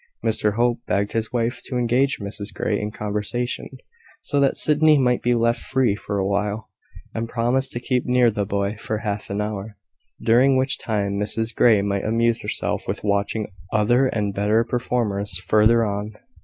Mr Hope begged his wife to engage Mrs Grey in conversation, so that Sydney might be left free for a while, and promised to keep near the boy for half an hour, during which time Mrs Grey might amuse herself with watching other and better performers further on.